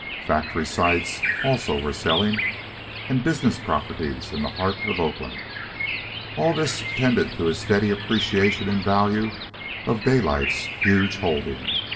Factory sites also were selling, and business properties in the heart of Oakland. All this tended to a steady appreciation in value of Daylight's huge holdings.